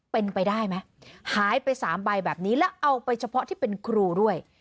เป็นไปได้ไหมหายไป๓ใบแบบนี้แล้วเอาไปเฉพาะที่เป็นครูด้วย